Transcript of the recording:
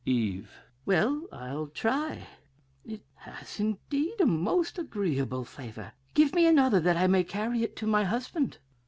"Eve. Well, I'll try. It has, indeed, a most agreeable flavor. Give me another that I may carry it to my husband.